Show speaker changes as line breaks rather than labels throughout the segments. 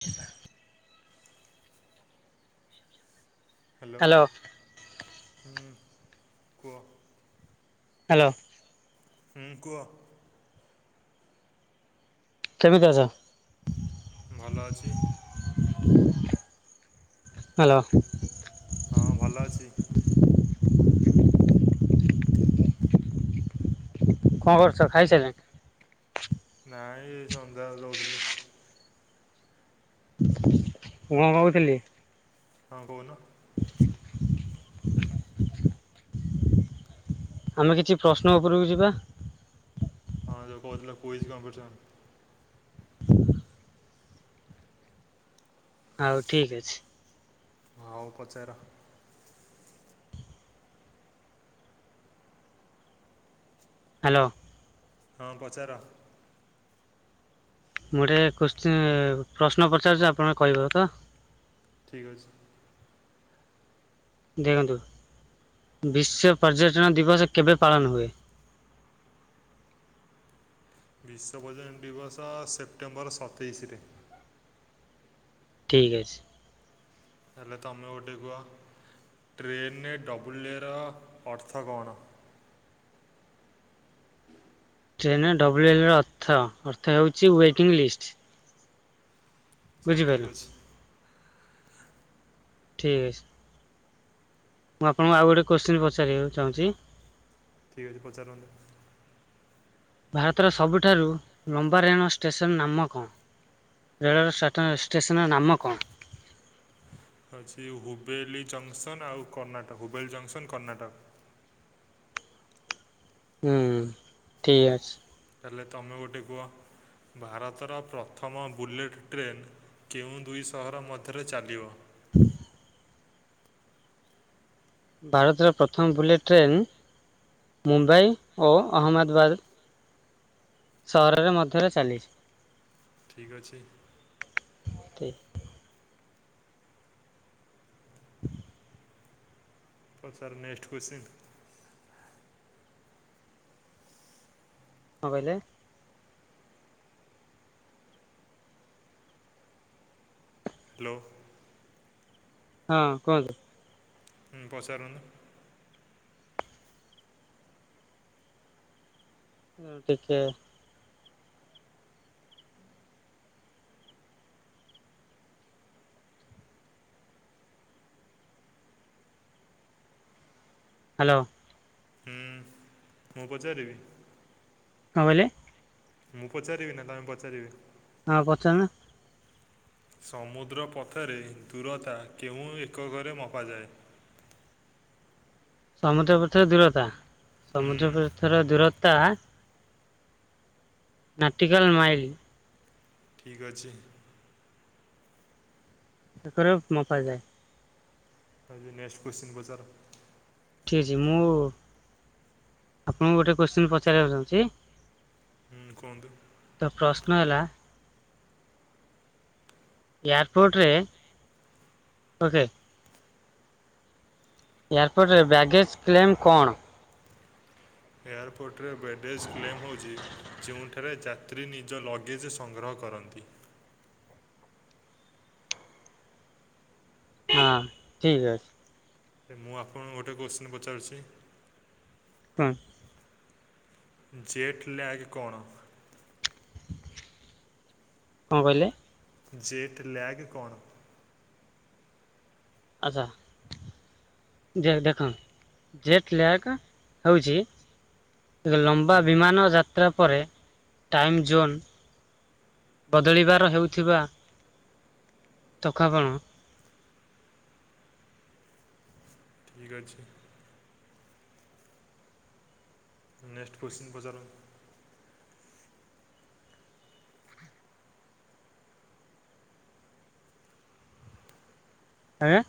ା
hello ହୁଁ କୁହ?
Hello.
ହଁ କୁହ।
କେମିତି ଅଛ?
ଭଲ ଅଛି।
ହ୍ୟାଲୋ।
ହଁ ଭଲ ଅଛି।
କଣ କରୁଛ ଖାଇସାରିଲଣି?
ନାଇଁ ଏଇ ସନ୍ଧ୍ୟା ଦଉଥିଲି।
ମୁଁ କଣ କହୁଥିଲି?
ହଁ କହୁନ
[unintelligible] ଆମେ କିଛି ପ୍ରଶ୍ନ ଉପରକୁ ଯିବା।
ହଁ ଯୋଉ କହୁଥିଲ କୁଇଜ୍ କମ୍ପିଟିସନ
ଆଉ ଠିକ ଅଛି।
ହଉ ପଚାର
ହାଲୋ।
ହଁ ପଚାର।
ମୁଁ ଗୋଟେ କୋଶ୍ଚି ପ୍ରଶ୍ନ ପଚାରୁଛି ଆପଣ କହିବତ?
ଠିକ୍ ଅଛି।
ଦେଖନ୍ତୁ ବିଶ୍ୱ ପର୍ଯ୍ୟଟନ ଦିବସ କେବେ ପାଳନ ହୁଏ? [inaudible]
ବିଶ୍ବର ପର୍ଯ୍ୟଟନ ଦିବସ ସେପ୍ଟେମ୍ବର ସତେଇଶରେ।
ଠିକ୍ ଅଛି।
ହେଲେ ତମେ ଗୋଟେ କୁହ। ଟ୍ରେନେରେ ଡବ୍ଲ ଏ ଅର୍ଥ କଣ?
ଟ୍ରେନ୍ରେ ଡବ୍ଲ୍ୟୁଏ ର ଅର୍ଥ, ଅର୍ଥ ହେଉଛି ୱେଟିଂ ଲିଷ୍ଟ। ବୁଝିପାରିଲ
ସଠିକ ଅଛି।
ଠିକ୍ ଅଛି। ମୁଁ ଆପଣଙ୍କୁ ଆଉ ଗୋଟେ କୋଶ୍ଚିନ୍ ପଚାରିବାକୁ ଚାହୁଁଛି।
ଠିକ ଅଛି ପଚାରନ୍ତୁ।
ଭାରତର ସବୁଠାରୁ ଲମ୍ବା ରେଣ ଷ୍ଟେସନ ନାମ କଣ? ରେଳ [unintelligible] ଷ୍ଟେସନର ନାମ କଣ?
ହଉଛି ହୁବେଲି ଜଙ୍କସନ ଆଉ କର୍ଣ୍ଣାଟକ ହୁବେଲ ଜଙ୍କସନ କର୍ଣ୍ଣାଟକ।
ହୁଁ ଠିକ୍ ଅଛି।
ତାହେଲେ ତୁମେ ଗୋଟେ କୁହ। ଭାରତର ପ୍ରଥମ ବୁଲେଟ୍ ଟ୍ରେନ୍ କେଉଁ ଦୁଇ ସହର ମଧ୍ୟରେ ଚାଲିବ?
[inaudible] ଭାରତରେ ପ୍ରଥମ ବୁଲେଟ ଟ୍ରେନ ମୁମ୍ବାଇ ଓ ଅହମଦାବାଦ ସହରରେ ମଧ୍ୟରେ ଚାଲିଛି।
ଠିକ ଅଛି।
[unintelligible]
ପଚାର ନେକ୍ସଟ କ୍ୱେସ୍ଚିନ୍।
କଣ କହିଲେ?
ହ୍ୟାଲୋ।
ହଁ କୁହନ୍ତୁ।
ହୁଁ ପଚାରୁନ୍ତୁ।
ହ ଟିକେ। ହ୍ୟାଲୋ।
ହୁଁ ମୁଁ ପଚାରିବି।
କଣ କହିଲେ?
ମୁଁ ପଚାରିବି ନା ତମେ ପଚାରିବି?
ହଁ ପଚାରୁନା।
ସମୁଦ୍ର ପଥରେ ଦୂରତା କେଉଁ ଏକକରେ ମପାଯାଏ?
[inaudible] ସମୁଦ୍ର ପଥର ଦୂରତା,
ହୁଁ
ସମୁଦ୍ର ପଥର ଦୂରତା ନାଟିିକଲ ମାଇଲ।
ଠିକ ଅଛି।
[unintelligible] ମପା ଯାଏ।
[unintelligible] ନେକ୍ସଟ କ୍ୱେସ୍ଚିନ ପଚାର।
ଠିକ୍ ଅଛି ମୁଁ ଆପଣଙ୍କୁ ଗୋଟେ କ୍ୱେସ୍ଚିନ୍ ପଚାରିବାକୁ ଚାହୁଁଛି।
ହୁଁ କୁହନ୍ତୁ।
[unintelligible] ହେଲା। ଏୟାରପୋର୍ଟରେ ଓକେ ଏୟାରପୋର୍ଟରେ ବ୍ୟାଗେଜ୍ କ୍ଲେମ୍ କଣ?
ଏୟାରପୋର୍ଟରେ ବ୍ୟାଡେଜ୍ କ୍ଲେମ ହେଉଛି ଯେଉଁଠାରେ ଯାତ୍ରୀ ନିଜ ଲଗେଜ ସଂଗ୍ରହ କରନ୍ତି।
ହଁ ଠିକ୍ ଅଛି।
ମୁଁ ଆପଣଙ୍କୁ ଗୋଟେ କୋଶ୍ଚିନ୍ ପଚାରୁଚି
ହୁଁ।
ଚେଟ୍ ଲ୍ୟାଗ କଣ?
କଣ କହିଲେ?
ଚେଟ ଲ୍ୟାଗ୍ କଣ?
ଆଚ୍ଛା। ଦେ ଦେଖ ଜେଟ୍ ଲ୍ୟାକ୍ ହୋଉଚି। ଲମ୍ବା
ହୁଁ
ବିମାନ ଯାତ୍ରା ପରେ ଟାଇମ୍ ଜୋନ୍ ବଦଳିବାର ହେଉଥିବା ଥକାପଣ
ଠିକ ଅଛି। ନେଷ୍ଟ କୋଶ୍ଚିନ୍ ପଚାରନ୍ତୁ।
ଆଜ୍ଞା।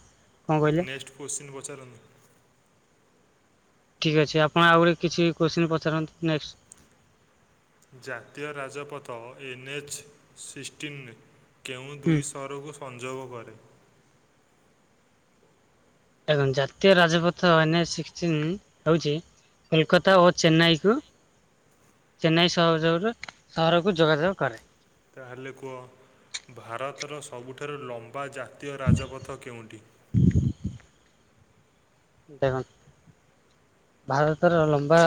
କ'ଣ କହିଲେ
ନେଷ୍ଟ କୋଶ୍ଚିନ୍ ପଚାରନ୍ତୁ।
ଠିକ୍ ଅଛି ଆପଣ ଆହୁରି କିଛି କୋଶ୍ଚିନ୍ ପଚାରନ୍ତୁ ନେଷ୍ଟ
ଜାତୀୟ ରାଜପଥ ଏନ୍ଏଚ୍ ସିଷ୍ଟିନ୍ କେଉଁ
ହୁଁ
ଦୁଇ ସହରକୁ ସଂଯୋଗ କରେ?
ଦେଖନ୍ତୁ ଜାତୀୟ ରାଜପଥ ଏନ୍ ଏଚସିକ୍ଟିନ୍ ହଉଛି। କୋଲକାତା ଓ ଚେନ୍ନାଇକୁ ଚେନ୍ନାଇ ସହଯୋଗରୁ ସହରକୁ ଯୋଗାଯୋଗ କରେ।
ତାହେଲେ କୁହ ଭାରତର ସବୁଠାରୁ ଲମ୍ବା ଜା ଜାତୀୟ ରାଜପଥ କେଉଁଠି?
ଦେଖନ୍ତୁ ଭାରତର ଲମ୍ବା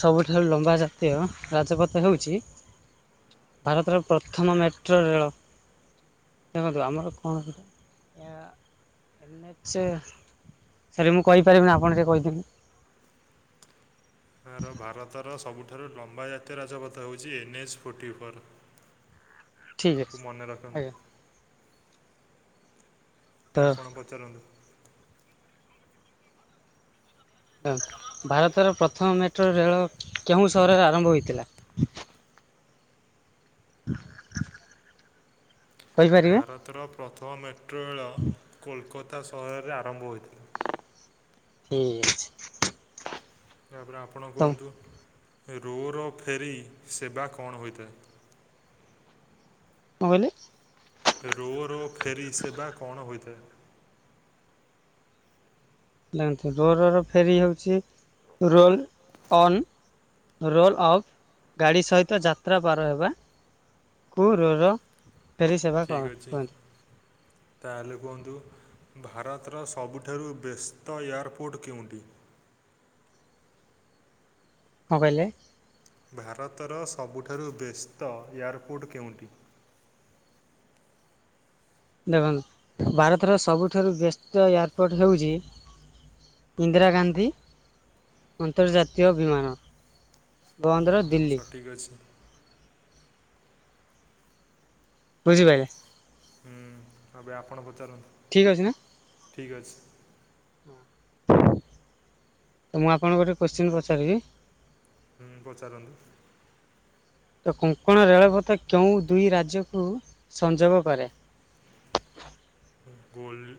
ସବୁଠାରୁ ଲମ୍ବା ଜାତୀୟ ରାଜପଥ ହେଉଚି। ଭାରତର ପ୍ରଥମ ମେଟ୍ରୋ ରେଳ। ଦେଖନ୍ତୁ ଆମର କଣ କହ ଆ ଏନ୍ଏଚ୍ ସାରେ ମୁଁ କହିପାରିବିନି ଆପଣ ଟିକେ କହିଦିଅନ୍ତୁ।
ଠାରୁ ଲମ୍ବା ଜାତୀୟ ରାଜପଥ ହେଉଛି ଏନ୍ଏଚ୍ ଫୋର୍ଟି ଫୋର୍।
ଠିକ୍ ଅଛି
ମନେ ରଖନ୍ତୁ।
ଆଜ୍ଞା ତ
ଏ ଆପଣ ପଚାରନ୍ତୁ।
ଭାରତର ପ୍ରଥମ ମେଟ୍ରୋ ରେଳ କେଉଁ ସହରରେ ଆରମ୍ଭ ହୋଇଥିଲା? [inaudible] କହିପାରିବେ
ଭାରତର ପ୍ରଥମ ମେଟ୍ରୋ ରେଳ କୋଲକତା ସହରରେ ଆରମ୍ଭ ହୋଇଥିଲା।
ଠିକ ଅଛି।
ଏହାପରେ ଆପଣ
ତ
କୁହନ୍ତୁ। ରୋର ଫେରି ସେବା କଣ ହୋଇଥାଏ?
କଣ କହିଲେ?
ରୋ'ର ଫେରି ସେବା କ'ଣ ହୋଇଥାଏ
ରୋରର ଫେରି ହେଉଛି ରୋଲ ଅନ୍ ରୋଲ ଅଫ୍ ଗାଡ଼ି ସହିତ ଯାତ୍ରା ପାର ହେବା। କୁ ରୋର ଫେରୀ ସେବା କହ
ଠିକ୍ ଅଛି
କୁହନ୍ତି।
ତାହେଲେ କୁହନ୍ତୁ ଭାରତର ସବୁଠାରୁ ବ୍ୟସ୍ତ ଏୟାରପୋର୍ଟ କେଉଁଠି?
[inaudible] କଣ କହିଲେ?
ଭାରତର ସବୁଠାରୁ ବ୍ୟସ୍ତ ଏୟାରପୋର୍ଟ କେଉଁଟି?
ଦେଖନ୍ତୁ ଭାରତର ସବୁଠାରୁ ବ୍ୟସ୍ତ ଏୟାରପୋର୍ଟ ହେଉଛି। ଇନ୍ଦିରା ଗାନ୍ଧି ଅନ୍ତର୍ଜାତୀୟ ବିମାନ। ବନ୍ଦର ଦିଲ୍ଲୀ।
ସଠିକ୍ ଅଛି
ବୁଝିପାଇଲେ।
ହୁଁ ଏବେ ଆପଣ
ଠିକ୍ ଅଛି ନା
ପଚାରନ୍ତୁ ଠିକ୍ ଅଛି।
ତ ମୁଁ ଆପଣଙ୍କୁ ଗୋଟେ କୋତ୍ସିନ୍ ନ ପଚାରିବି?
ହୁଁ ପଚାରନ୍ତୁ।
ତ କୋଙ୍କଣ ରେଳପଥ କେଉଁ ଦୁଇ ରାଜ୍ୟକୁ ସଂଯୋଗ କରେ? [inaudible]
ଗୋଲ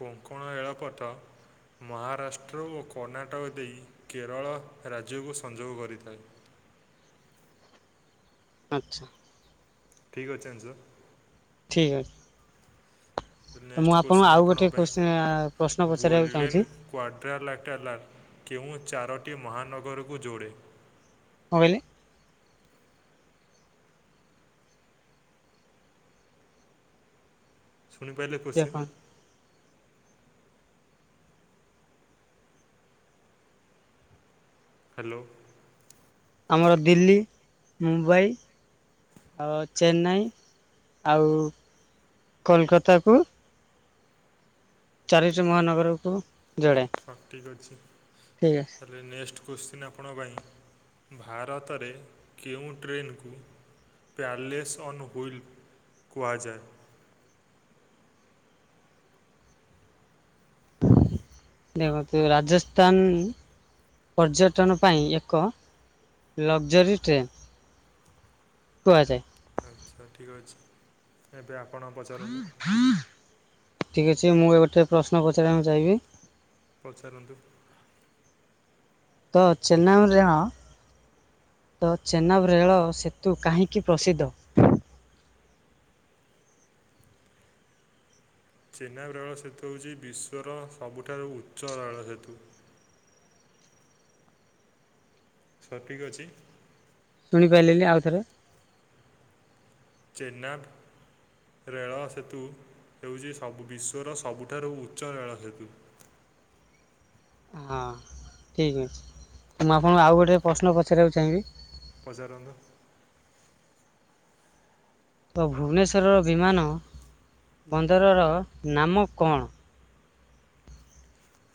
କଙ୍କଣ ରେଳ ପଥ ମହାରାଷ୍ଟ୍ର ଓ କର୍ଣ୍ଣାଟକ ଦେଇ କେରଳ ରାଜ୍ୟକୁ ସଂଯୋଗ କରିଥାଏ।
[inaudible] ଆଚ୍ଛା।
ଠିକ ଅଛ ଆନ୍ସର।
ଠିକ୍ ଅଛି। ତ
ନେକ୍ସଟ
ମୁଁ ଆପଣଙ୍କୁ
କୋଶ୍ଚିନ୍
ଆଉ ଗୋଟେ
ଆପଣଙ୍କ ପାଇଁ
କୋତ୍ସିନ୍ ଆ
ଗୋଲ୍ଡେନ୍ କ୍ୱାଡର ଲେଟରାଲ୍ କେଉଁ ଚାରୋଟି ମହାନଗରକୁ ଯୋଡ଼େ?
କଣ କହିଲେ?
ଶୁଣିପାଇଲେ କୋତ୍ସିନ୍?
ଦେଖନ୍ତୁ
ହ୍ୟାଲୋ।
ଆମର ଦିଲ୍ଲୀ, ମୁମ୍ବାଇ ଆଉ ଚେନ୍ନାଇ ଆଉ କୋଲକାତାକୁ ଚାରି ଟି ମହାନଗରକୁ ଯୋଡ଼େ
ସଠିକ୍ ଅଛି
ଠିକ୍ ଅଛି
ତା ରେ ନେକ୍ସଟ୍ କୋତ୍ସିନ୍ ଆପଣଙ୍କ ପାଇଁ ଭାରତରେ କେଉଁ ଟ୍ରେନ୍ କୁ ପ୍ୟାର୍ଲେସ୍ ଅନ୍ ହୁଇଲ କୁହାଯାଏ।
ଦେଖନ୍ତୁ ରାଜସ୍ଥାନ ପର୍ଯ୍ୟଟନ ପାଇଁ ଏକ ଲକ୍ଜରୀ ଟ୍ରେନ୍। କୁହାଯାଏ।
ଆଚ୍ଛା ଠିକ ଅଛି। ଏବେ ଆପଣ ପଚାରନ୍ତୁ।
ଠିକ ଅଛି ମୁଁ ଏବେ ଠା ପ୍ରଶ୍ନ ପଚାରିବାକୁ ଚାହିଁବି।
ପଚାରନ୍ତୁ।
ତ ଚେନ୍ନାବରେହ ଚେନ୍ନାବ ରେଳ ସେତୁ କାହିଁକି ପ୍ରସିଦ୍ଧ?
ଚେନ୍ନାବ ରେଳ ସେତୁ ହଉଚି ବିଶ୍ଵର ସବୁଠାରୁ ଉଚ୍ଚ ରେଳ ସେତୁ। ସଠିକ୍ ଅଛି।
ଶୁଣିପାଇଲିନି ଆଉ ଥରେ।
ଚେନ୍ନାବ ରେଳ ସେତୁ ହେଉଚି ସବୁ ବିଶ୍ଵର ସବୁଠାରୁ ଉଚ୍ଚ ରେଳ ସେତୁ?
[inaudible] ହଁ ଠିକ୍ ଅଛି। ଏ ମୁଁ ଆପ୍ ହଁ ଆଉ ଗୋଟିଏ ପ୍ରଶ୍ନ ପଚାରିବାକୁ ଚାହିଁବି?
ପଚାରନ୍ତୁ
ତ ଭୁବନେଶ୍ୱରର ବିମାନ ବନ୍ଦରର ନାମ କଣ?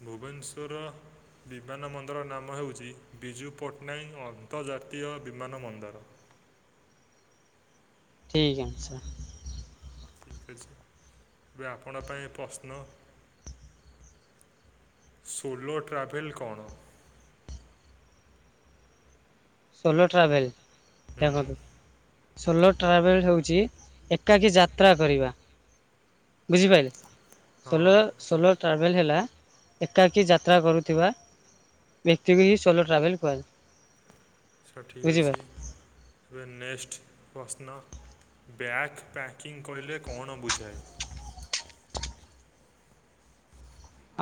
ଭୁବନେଶ୍ୱର ବିମାନ ବନ୍ଦର ନାମ ହେଉଚି ବିଜୁ ପଟ୍ଟନାୟକ ଅନ୍ତର୍ଜା ଜାତୀୟ ବିମାନ ବନ୍ଦର।
[inaudible] ଠିକ୍ ଅନ୍ସର୍।
[unintelligible] ଏବେ ଆପଣ ପାଇଁ ପ୍ରଶ୍ନ। ସୋଲୋ ଟ୍ରାଭେଲ୍ କଣ?
ସୋଲୋ ଟ୍ରାଭେଲ୍
ହୁଁ
ଦେଖନ୍ତୁ। ସୋଲୋ ଟ୍ରାଭେଲ୍ ହେଉଚି ଏକାକୀ ଯାତ୍ରା କରିବା। ବୁଝିପାଇଲେ?
ହଁ
ସୋଲୋ
ସାର୍
ସୋଲୋ ଟ୍ରାଭେଲ୍ ହେଲା ଏକାକୀ ଯାତ୍ରା କରୁଥିବା ବ୍ୟକ୍ତି କି ସୋଲୋ ଟ୍ରାଭେଲ୍ କୁହାଯାଏ।
ସଠିକ୍ ଅଛି।
ବୁଝିପାରିଲେ
ଏବେ ନେକ୍ସଟ ପ୍ରଶ୍ନ -ବ୍ୟାଗ ପ୍ୟାକିଙ୍ଗ କହିଲେ କଣ ବୁଝାଯାଏ?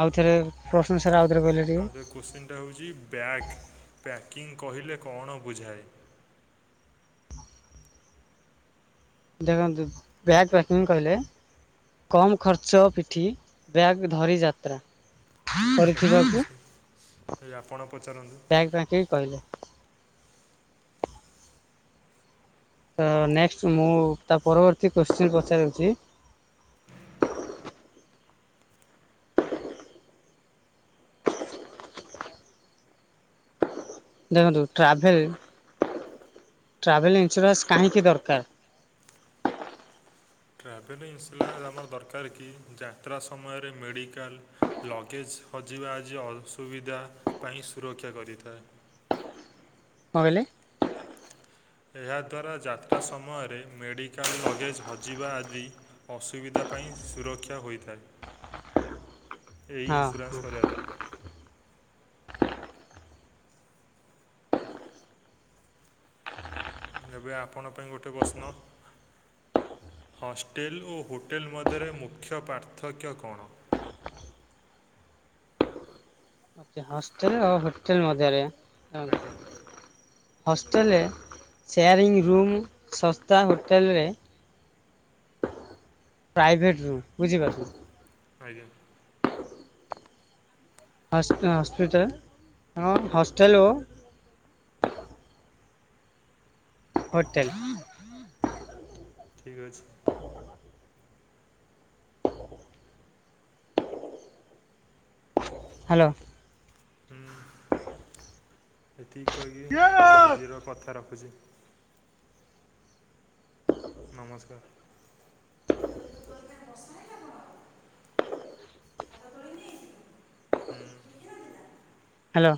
ଆଉଥରେ ପ୍ରଶ୍ନ? ସାର୍ ଆଉ ଥରେ କହିଲେ ଟିକେ
ହଁ ସେ କୋଶ୍ଚିନ୍ ଟା ହଉଛି ବ୍ୟାଗ ପ୍ୟାକିଂ କହିଲେ କଣ ବୁଝାଏ?
ଦେଖନ୍ତୁ ବ୍ୟାଗପ୍ୟାକିଙ୍ଗ କହିଲେ କମ୍ ଖର୍ଚ୍ଚ ପିଠି ବ୍ୟାଗ୍ ଧରି ଯାତ୍ରା।
ସାର୍ ଠିକ୍
କରିଥିବାକୁ
ଅଛି ଏ ଆପଣ ପଚାରନ୍ତୁ
ବ୍ୟାଗ ପାକିଙ୍ଗ କହିଲେ। ତ ନେକ୍ସଟ ମୁଁ ତା ପରବର୍ତ୍ତୀ କୋଶ୍ଚିନ୍ ପଚାରୁଛି? [unintelligible] ଦେଖନ୍ତୁ ଟ୍ରାଭେଲ ଟ୍ରାଭେଲ ଇନ୍ସୁରାନ୍ସ କାହିଁକି ଦରକାର?
ଟ୍ରାଭେଲ ଇନ୍ସୁରାନ୍ସ ଆମର ଦରକାର କି -ଯାତ୍ରା ସମୟରେ ମେଡ଼ିକାଲ ଲଗେଜ ହଜିବା ଆଜି ଅସୁବିଧା ପାଇଁ ସୁରକ୍ଷା କରିଥାଏ।
କଣ କହିଲେ?
ଏହାଦ୍ୱାରା ଯାତ୍ରା ସମୟରେ ମେଡ଼ିକାଲ ଲଗେଜ ହଜିବା ଆଦି ଅସୁବିଧା ପାଇଁ ସୁରକ୍ଷା ହୋଇଥାଏ।
[unintelligible]
ଏଇ ଇନ୍ସୁରାନ୍ସ
ହଁ
କରିବା ଦ୍ୱାରା। ଏବେ ଆପଣଙ୍କ ପାଇଁ ଗୋଟେ ପ୍ରଶ୍ନ? ହଷ୍ଟେଲ ଓ ହୋଟେଲ ମଧ୍ୟରେ ମୁଖ୍ୟ ପାର୍ଥକ୍ୟ କଣ?
[inaudible] ହଷ୍ଟେଲ ଓ ହୋଟେଲ ମଧ୍ୟରେ
ଆଜ୍ଞା
ହୋଷ୍ଟେଲରେ ଶେୟାରିଂ ରୁମ ଶସ୍ତା, ହୋଟେଲରେ ପ୍ରାଇଭେଟ ରୁମ ବୁଝିପାରୁଛ।
ଆଜ୍ଞା।
ହସ୍ପିଟାଲ ହ ହଷ୍ଟେଲ ଓ ହୋଟେଲ।
ଠିକ ଅଛି।
ହାଲୋ
ହଁ ଏତିକି କହିକି ମୁଁ ଆଜିର କଥା ରଖୁଛି। ନମସ୍କାର। ହୁଁ
ହାଲୋ